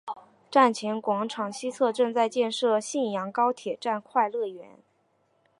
站前广场西侧正在建设信阳高铁站快乐园。